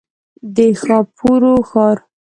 د ښاپورو ښار.